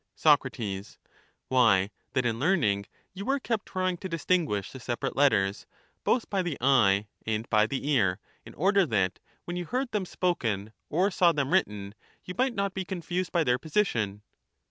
Soc, Why, that in learning you were kept trying to distin guish the separate letters both by the eye and by the ear, in order that, when you heard them spoken or saw them written, you might not be confused by their position.